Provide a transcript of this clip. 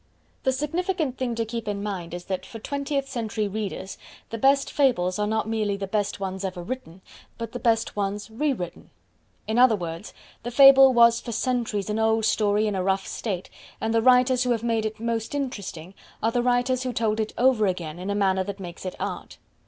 The significant thing to keep in mind is that, for twentieth century readers, the best Fables are not merely the best ones ever written, but the best ones re written. In other words, the Fable was for centuries an old story in a rough state, and the writers who have made it most interesting are the writers who told it over again in a manner that makes it Art.